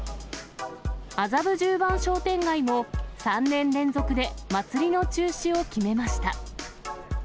麻布十番商店街も、３年連続で祭りの中止を決めました。